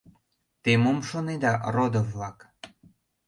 Те мом шонеда, родо-влак?